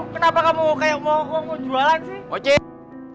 kenapa kamu kayak mau jualan sih ojek